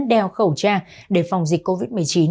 đeo khẩu trang để phòng dịch covid một mươi chín